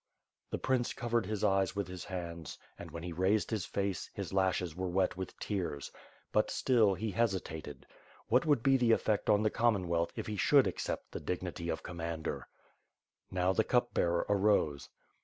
The prince covered his eyes with his hands and, when he raised his face, his lashes were wet with tears; but still he hesitated. What would be the eifect on the Commonwealth if he should accept the dignity of Commander. Now the Cup Bearer arose.